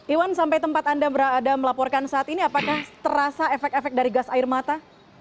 iwan sampai tempat anda berada melaporkan saat ini apakah terasa efek efek dari gas air mata